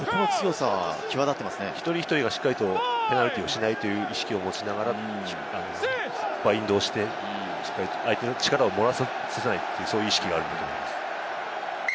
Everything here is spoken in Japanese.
やはり１人１人がしっかりとペナルティーをしないという意識を持ちながら、バインドしてしっかり相手の力を崩さないという意識があると思います。